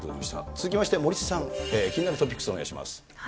続きまして森さん、気になるトピックス、お願いします。